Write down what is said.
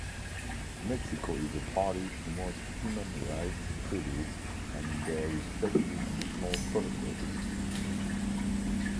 Mexico is a party to most human rights treaties and their respective additional protocols.